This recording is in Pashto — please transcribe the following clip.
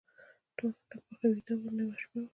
ټول عالم په خوب ویده و نیمه شپه وه.